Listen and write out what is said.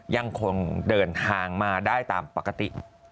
ยังคงเดินทางมาได้ตามปกติ